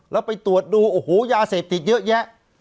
แล้วไปตรวจดูโอ้โหยาเสพติดเยอะแยะ